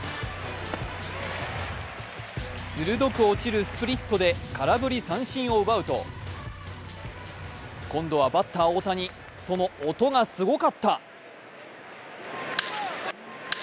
鋭く落ちるスプリットで空振り三振を奪うと今度はバッター・大谷その音がすごかった！